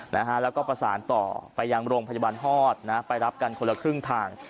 นะฮะแล้วก็ประสานต่อไปยังโรงพยาบาลฮอดนะไปรับกันคนละครึ่งทาง